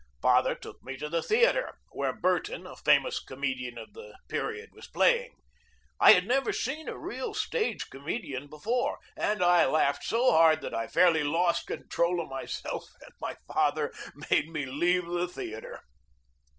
Father took me to the theatre, where Burton, a famous comedian of the period, was playing. I had never seen a real stage comedian before, and I laughed so hard that I fairly lost control of myself, and my father made me leave the theatre.